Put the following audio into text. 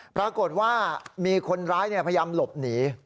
ปรากฏว่ามีคนร้ายพยายามหลบหนี